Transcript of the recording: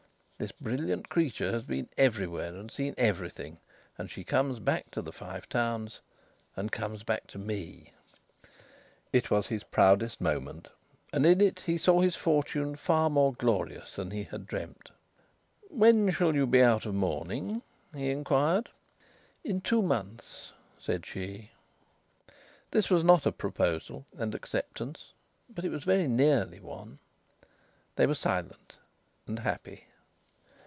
This brilliant creature has been everywhere and seen everything, and she comes back to the Five Towns and comes back to me." It was his proudest moment. And in it he saw his future far more glorious than he had dreamt. "When shall you be out of mourning?" he inquired. "In two months," said she. This was not a proposal and acceptance, but it was very nearly one. They were silent, and happy.